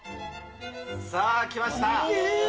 さあ、きました。